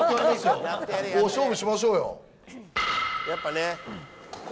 勝負しましょうよ。